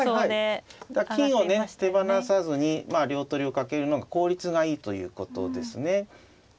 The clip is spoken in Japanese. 金をね手放さずに両取りをかけるのが効率がいいということですね。